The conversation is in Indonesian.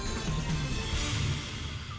terima kasih pak dedy